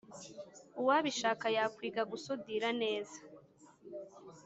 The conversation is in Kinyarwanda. uwabishaka yakwiga gusudira neza.